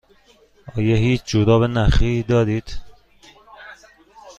آیا هیچ جوراب نخی دارید؟